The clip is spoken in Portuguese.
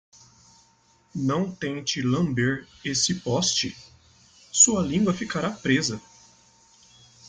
Não tente lamber esse poste? sua língua ficará presa!